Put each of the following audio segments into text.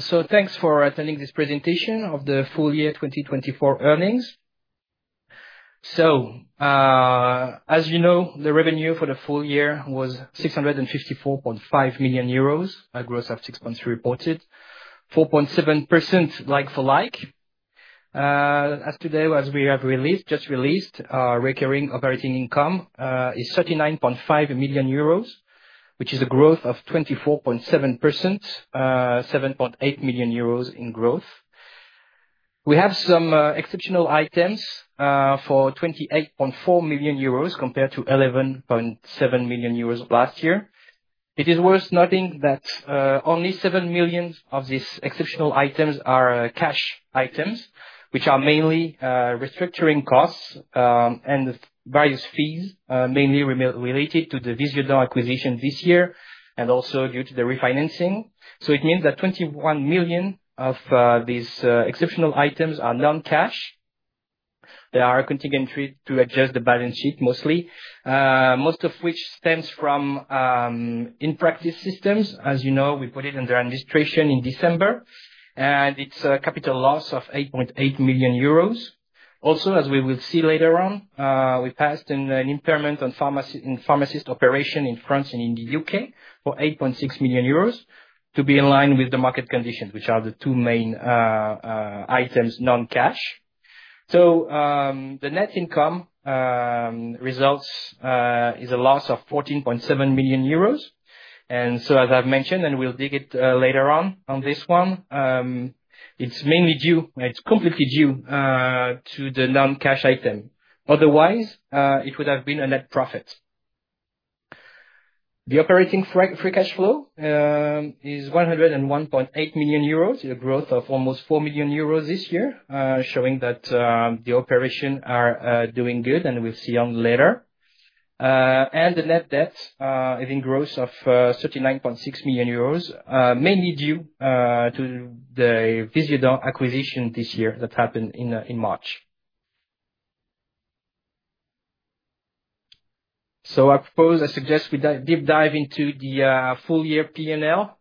Thanks for attending this presentation of the full year 2024 earnings. As you know, the revenue for the full year was 654.5 million euros, a growth of 6.3% reported, 4.7% like for like. As today, as we have released, just released, recurring operating income is 39.5 million euros, which is a growth of 24.7%, 7.8 million euros in growth. We have some exceptional items for 28.4 million euros compared to 11.7 million euros last year. It is worth noting that only 7 million of these exceptional items are cash items, which are mainly restructuring costs and various fees, mainly related to the Visiodent acquisition this year and also due to the refinancing. It means that 21 million of these exceptional items are non-cash. They are accounting entry to adjust the balance sheet mostly, most of which stems from In Practice Systems. As you know, we put it under administration in December, and it's a capital loss of 8.8 million euros. Also, as we will see later on, we passed an impairment on pharmacy and pharmacist operations in France and in the U.K. for 8.6 million euros to be in line with the market conditions, which are the two main non-cash items, so the net income results is a loss of 14.7 million euros, and so as I've mentioned, and we'll dig into it later on this one, it's mainly due, it's completely due, to the non-cash item. Otherwise, it would have been a net profit. The operating free cash flow is 101.8 million euros, a growth of almost 4 million euros this year, showing that the operations are doing good, and we'll see later. The net debt is in growth of 39.6 million euros, mainly due to the Visiodent acquisition this year that happened in March. I propose, I suggest we dive deep into the full year P&L.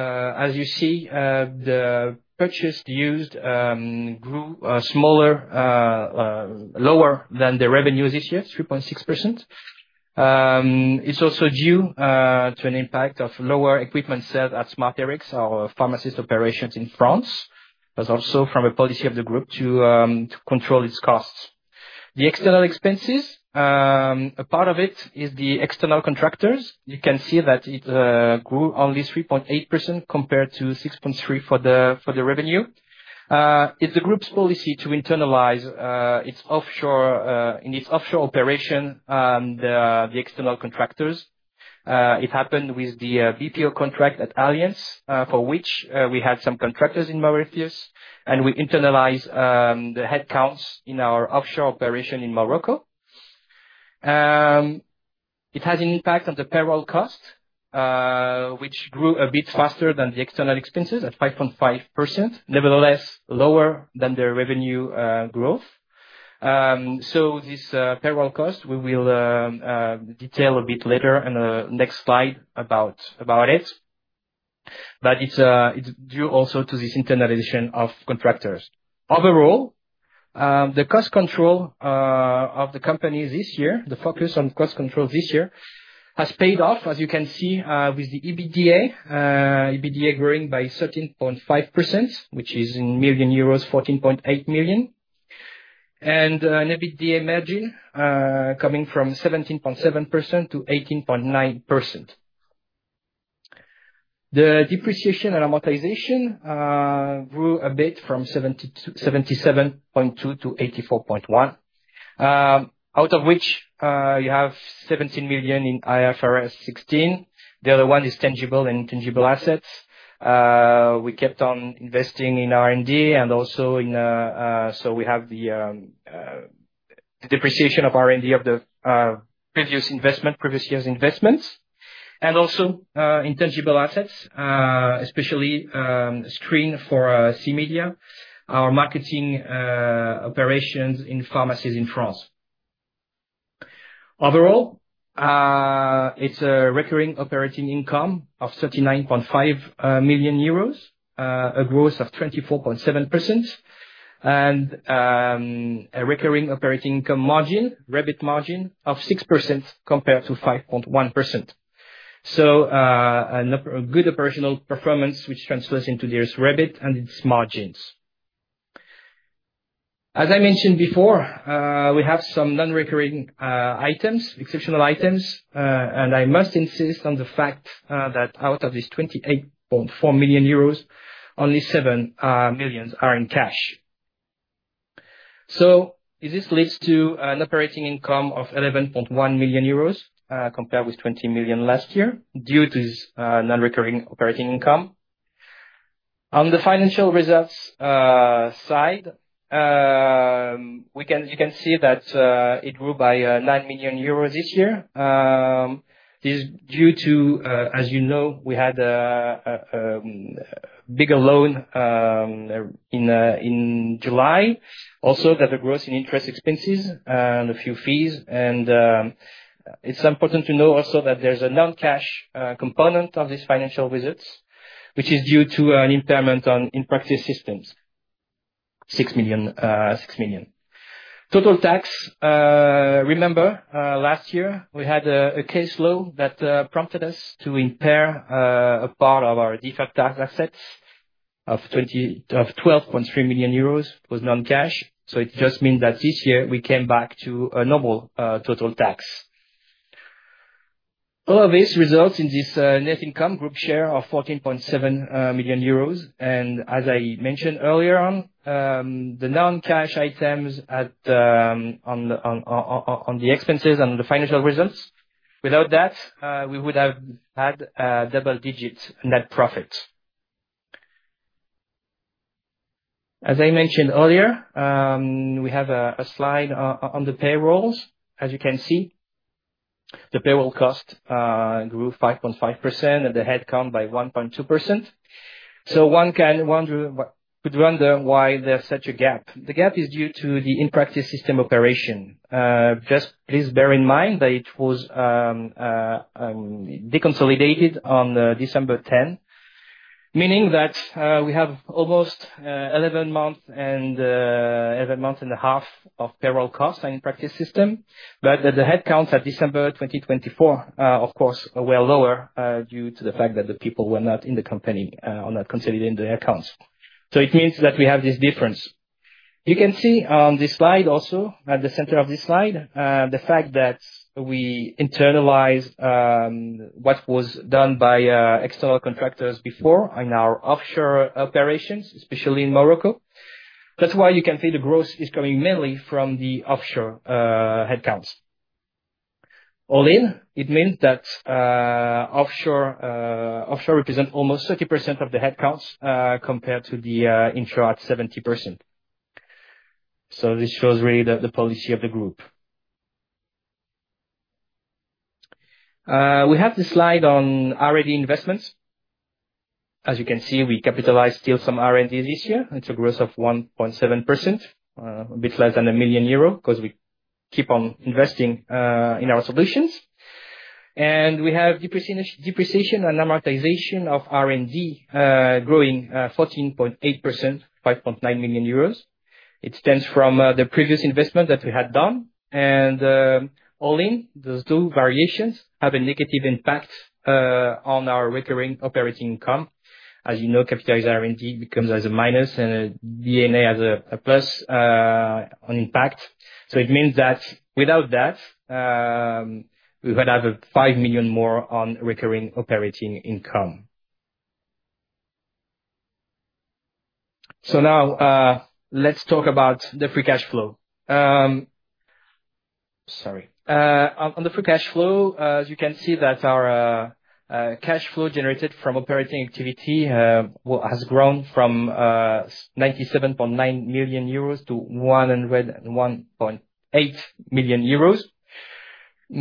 As you see, the purchases grew smaller, lower than the revenue this year, 3.6%. It's also due to an impact of lower equipment sales at SmartRx, our pharmacist operations in France, but also from a policy of the group to control its costs. The external expenses, a part of it is the external contractors. You can see that it grew only 3.8% compared to 6.3% for the revenue. It's the group's policy to internalize its offshore operations, the external contractors. It happened with the BPO contract at Allianz, for which we had some contractors in Mauritius, and we internalized the head counts in our offshore operation in Morocco. It has an impact on the payroll cost, which grew a bit faster than the external expenses at 5.5%, nevertheless lower than the revenue growth. This payroll cost we will detail a bit later in the next slide about it. It's due also to this internalization of contractors. Overall, the cost control of the company this year, the focus on cost control this year has paid off, as you can see, with the EBITDA growing by 13.5%, which is 14.8 million, and net EBITDA margin coming from 17.7% to 18.9%. The depreciation and amortization grew a bit from 77.2 to 84.1, out of which you have 17 million in IFRS 16. The other one is tangible and intangible assets. We kept on investing in R&D and also in, so we have the depreciation of R&D of the previous investment, previous year's investments, and also intangible assets, especially screens for CMedia, our marketing operations in pharmacies in France. Overall, it's a recurring operating income of 39.5 million euros, a growth of 24.7%, and a recurring operating income margin, REBIT margin of 6% compared to 5.1%. So, a good operational performance, which transfers into this REBIT and its margins. As I mentioned before, we have some non-recurring items, exceptional items, and I must insist on the fact that out of this 28.4 million euros, only 7 million are in cash. So this leads to an operating income of 11.1 million euros, compared with 20 million last year due to this non-recurring operating income. On the financial results side, you can see that it grew by 9 million euros this year. This is due to, as you know, we had a bigger loan in July, also the growth in interest expenses and a few fees. It's important to know also that there's a non-cash component of these financial results, which is due to an impairment on In Practice Systems, EUR 6 million. Total tax, remember, last year we had a case law that prompted us to impair a part of our deferred tax assets of 20 million, of which 12.3 million euros was non-cash. So it just means that this year we came back to a normal total tax. All of this results in net income group share of 14.7 million euros. As I mentioned earlier on, the non-cash items on the expenses and on the financial results, without that, we would have had a double digit net profit. As I mentioned earlier, we have a slide on the payrolls. As you can see, the payroll cost grew 5.5% and the head count by 1.2%. So one could wonder why there's such a gap. The gap is due to the In Practice Systems operation. Just please bear in mind that it was deconsolidated on December 10, 2023, meaning that we have almost 11 months and a half of payroll costs for In Practice Systems, but that the head counts at December 31, 2023, of course, were lower, due to the fact that the people were not in the company or not consolidating the head counts. So it means that we have this difference. You can see on this slide also, at the center of this slide, the fact that we internalized what was done by external contractors before in our offshore operations, especially in Morocco. That's why you can see the growth is coming mainly from the offshore head counts. All in, it means that offshore represents almost 30% of the head counts, compared to the internal at 70%. So this shows really the policy of the group. We have this slide on R&D investments. As you can see, we capitalized still some R&D this year. It's a growth of 1.7%, a bit less than 1 million euro because we keep on investing in our solutions. And we have depreciation and amortization of R&D growing 14.8%, 5.9 million euros. It stems from the previous investment that we had done. And all in, those two variations have a negative impact on our recurring operating income. As you know, capitalized R&D becomes as a minus and EBITDA as a plus on impact. So it means that without that, we would have a €5 million more on recurring operating income. So now, let's talk about the free cash flow. On the free cash flow, as you can see that our cash flow generated from operating activity has grown from €97.9 million to €101.8 million,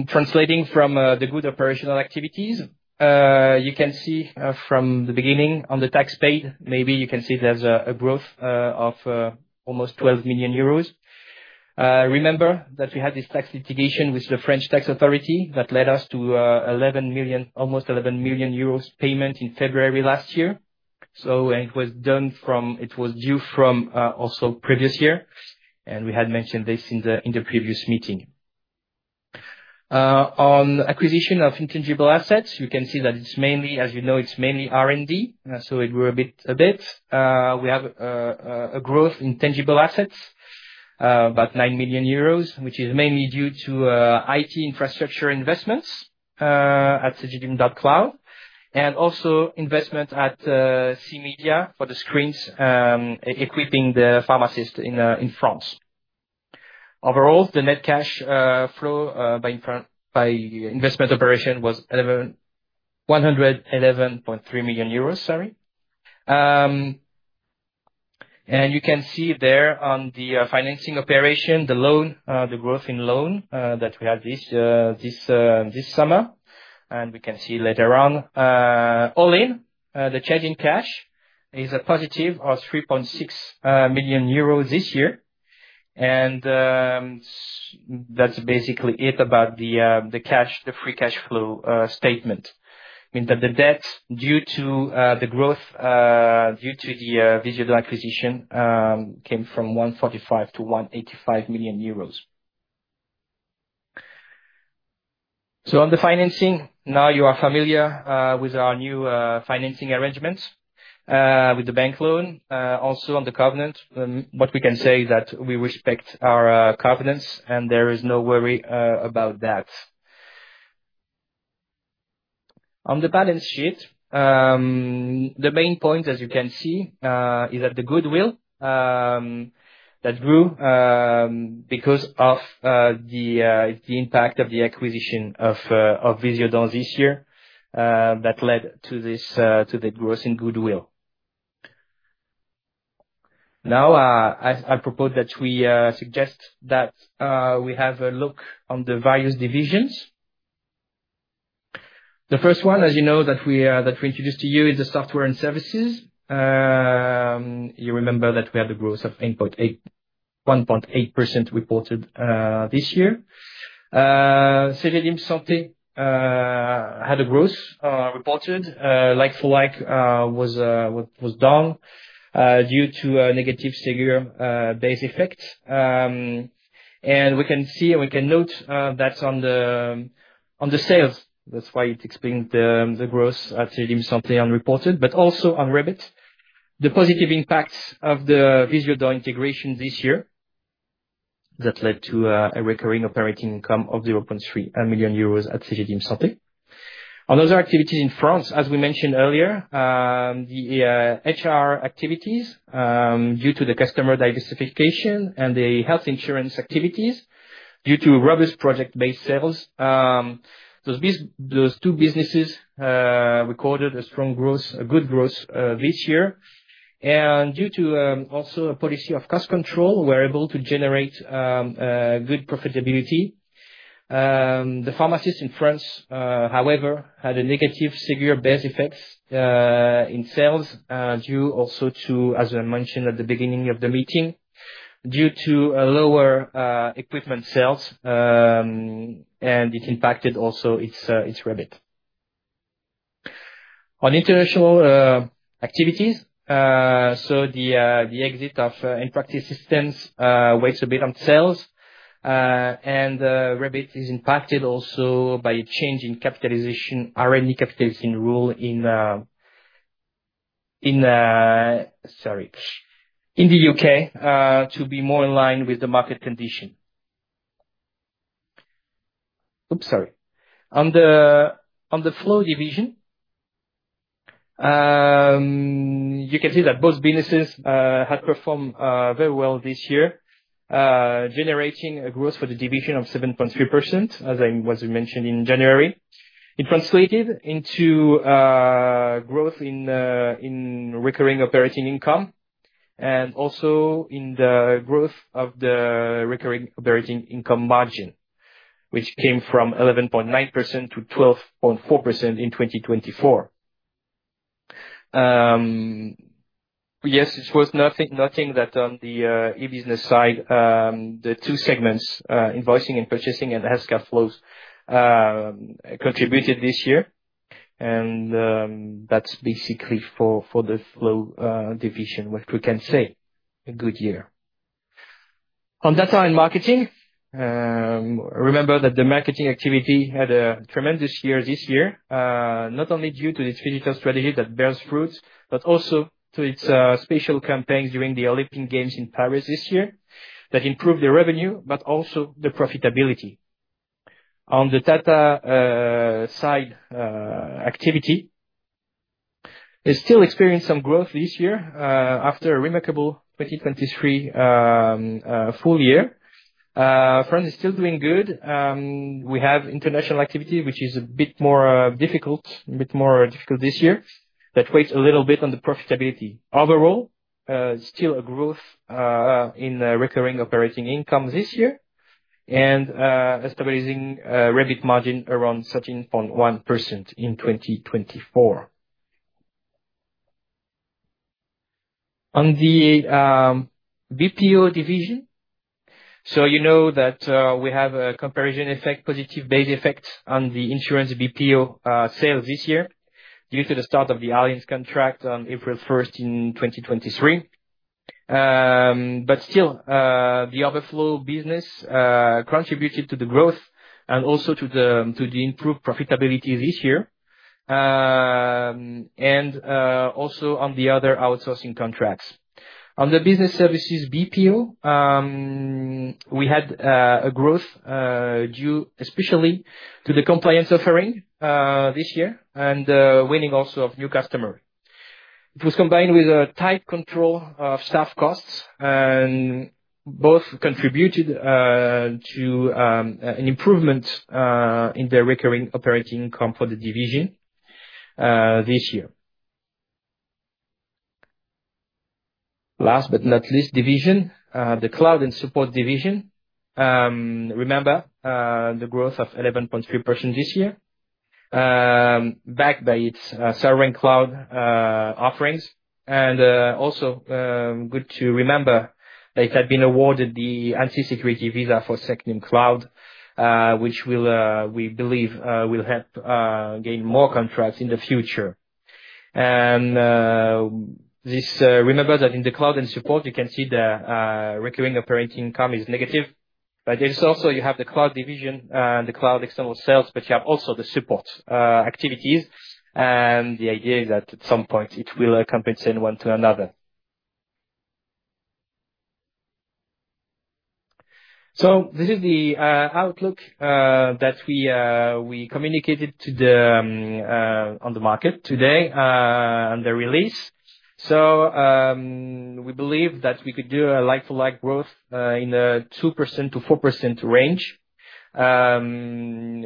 translating from the good operational activities. You can see, from the beginning on the tax paid, maybe you can see there's a growth of almost €12 million. Remember that we had this tax litigation with the French tax authority that led us to €11 million, almost €11 million payment in February last year. It was due from also previous year, and we had mentioned this in the previous meeting. On acquisition of intangible assets, you can see that it's mainly, as you know, it's mainly R&D. So it grew a bit. We have a growth in tangible assets, about €9 million, which is mainly due to IT infrastructure investments at cegedim.cloud, and also investment at CMedia for the screens, equipping the pharmacist in France. Overall, the net cash flow by infra by investment operation was €111.3 million. Sorry. And you can see there on the financing operation, the loan, the growth in loan that we had this summer, and we can see later on, all in, the change in cash is a positive of €3.6 million this year. That's basically it about the cash, the free cash flow statement. I mean, that the debt due to the growth due to the Visiodent acquisition came from €145-€185 million. So on the financing, now you are familiar with our new financing arrangements with the bank loan. Also, on the covenant, what we can say is that we respect our covenants, and there is no worry about that. On the balance sheet, the main point, as you can see, is that the goodwill that grew because of the impact of the acquisition of Visiodent this year, that led to this to the growth in goodwill. Now, I'll propose that we suggest that we have a look on the various divisions. The first one, as you know, that we introduced to you is the software and services. You remember that we had a growth of 1.8%. Cegedim Santé had a growth, reported, like for like, was done due to a negative Ségur base effect, and we can see, and we can note, that on the sales, that's why it explained the growth at Cegedim Santé unreported, but also on rebate, the positive impacts of the Visiodent integration this year that led to a recurring operating income of 0.3 million euros at Cegedim Santé. On other activities in France, as we mentioned earlier, the HR activities, due to the customer diversification and the health insurance activities due to robust project-based sales, those two businesses recorded a strong growth, a good growth, this year, and due to also a policy of cost control, we're able to generate good profitability. The pharmacy in France, however, had a negative Ségur base effect in sales, due also to, as I mentioned at the beginning of the meeting, due to a lower equipment sales, and it impacted also its EBITDA. On international activities, the exit of In Practice Systems weighs a bit on sales, and EBITDA is impacted also by a change in capitalization, R&D capitalization rule in the U.K., to be more in line with the market condition. Oops, sorry. On the cloud division, you can see that both businesses had performed very well this year, generating a growth for the division of 7.3%, as we mentioned in January. It translated into growth in recurring operating income and also in the growth of the recurring operating income margin, which came from 11.9% to 12.4% in 2024. Yes, it was nothing that on the e-business side, the two segments, invoicing and purchasing and healthcare flows, contributed this year. That's basically for the flow division, what we can say, a good year. On data and marketing, remember that the marketing activity had a tremendous year this year, not only due to its phygital strategy that bears fruits, but also to its special campaigns during the Olympic Games in Paris this year that improved the revenue, but also the profitability. On the data side, activity, it still experienced some growth this year, after a remarkable 2023 full year. France is still doing good. We have international activity, which is a bit more difficult this year, that weighs a little bit on the profitability. Overall, still a growth in recurring operating income this year and a stable reported margin around 13.1% in 2024. On the BPO division, so you know that we have a comparison effect, positive base effect on the insurance BPO sales this year due to the start of the Allianz contract on April 1, 2023. But still, the overflow business contributed to the growth and also to the improved profitability this year and also on the other outsourcing contracts. On the business services BPO, we had a growth due especially to the compliance offering this year and winning also of new customers. It was combined with a tight control of staff costs, and both contributed to an improvement in the recurring operating income for the division this year. Last but not least, the cloud and support division, remember the growth of 11.3% this year, backed by its sovereign cloud offerings. Also, good to remember that it had been awarded the ANSSI security visa for cegedim.cloud, which will, we believe, help gain more contracts in the future. Remember that in the cloud and support, you can see the recurring operating income is negative, but it's also you have the cloud division, and the cloud external sales, but you have also the support activities. The idea is that at some point it will compensate one to another. This is the outlook that we communicated to the market today, on the release. We believe that we could do a like-for-like growth in the 2%-4% range,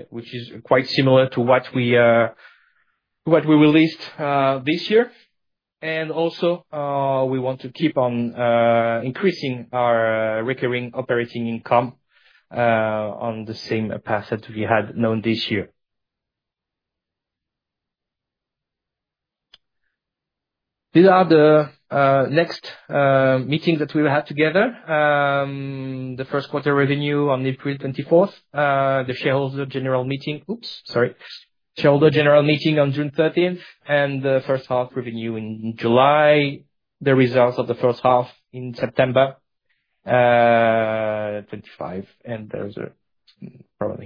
which is quite similar to what we released this year. Also, we want to keep on increasing our recurring operating income on the same path that we had known this year. These are the next meetings that we will have together. The first quarter revenue on April 24, the shareholder general meeting. Oops, sorry. Shareholder general meeting on June 13 and the first half revenue in July, the results of the first half in September 25. And that's probably